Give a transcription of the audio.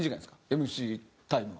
ＭＣタイムは。